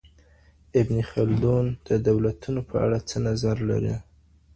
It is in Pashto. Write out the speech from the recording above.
ابن خلدون د دولتونو په اړه څه نظر لري؟